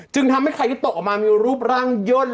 ทำให้ไข่ที่ตกออกมามีรูปร่างย่น